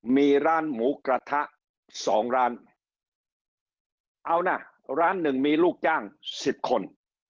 มีร้านหมูกระทะ๒ร้านร้านหนึ่งมีลูกจ้าง๑๐คน